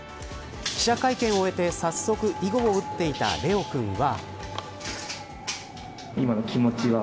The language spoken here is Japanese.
記者会見を終えて早速、囲碁を打っていた怜央君は。